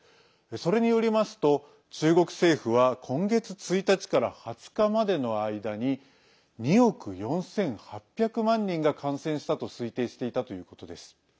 それによりますと、中国政府は今月１日から２０日までの間に２億４８００万人が感染したと推定していたということです。